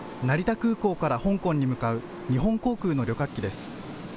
成田空港から香港に向かう日本航空の旅客機です。